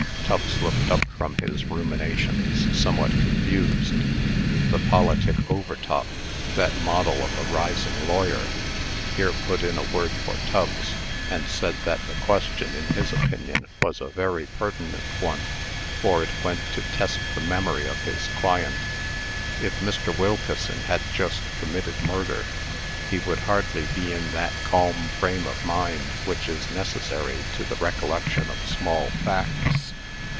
Tubbs looked up from his ruminations, somewhat confused. The politic Overtop that model of a rising lawyer here put in a word for Tubbs, and said that the question, in his opinion, was a very pertinent one, for it went to test the memory of his client. If Mr. Wilkeson had just committed murder, he would hardly be in that calm frame of mind which is necessary to the recollection of small facts.